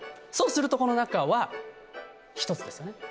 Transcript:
そうするとこの中は１つですね。